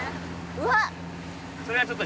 うわっ！